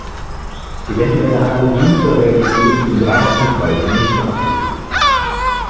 Eventuelle Analogien zur Realität sind reiner Zufall und nicht beabsichtigt.